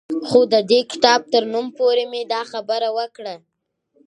خو د دې کتاب تر نوم پورې مې دا خبره وکړه